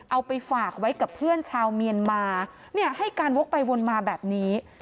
เอาไปฝากไว้กับเพื่อนชาวเมียนมาเนี่ยให้การวกไปวนมาแบบนี้